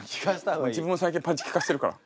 自分も最近パンチ効かせてるから。